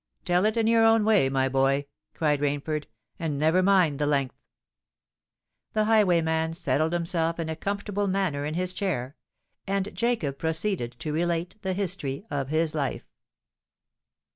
"Tell it in your own way, my boy," cried Rainford; "and never mind the length." The highwayman settled himself in a comfortable manner in his chair; and Jacob proceeded to relate the history of his life.